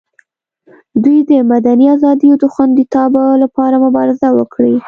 دوی د مدني ازادیو د خوندیتابه لپاره مبارزه وکړي.